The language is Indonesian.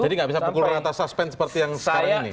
jadi nggak bisa pukul rata suspense seperti yang sekarang ini